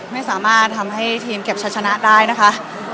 ไม่สามารถทำให้ทีมเก็บชัดชนะได้นะคะ